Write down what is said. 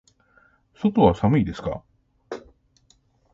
外は寒いですか。